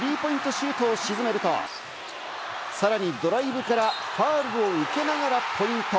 シュートを沈めると、さらにドライブからファウルを受けながらポイント。